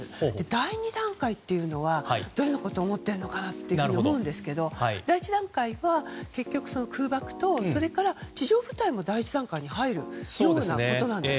第２段階というのはどういうことを思っているのかと思うんですけど、第１段階は結局、空爆と地上部隊も第１段階に入るようなことなんです。